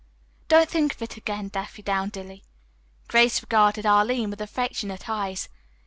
"Don't think of it again, Daffydowndilly." Grace regarded Arline with affectionate eyes.